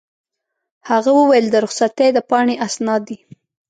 هغه وویل: د رخصتۍ د پاڼې اسناد دي.